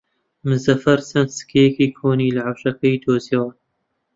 مزەفەر چەند سکەیەکی کۆنی لە حەوشەکەی دۆزییەوە.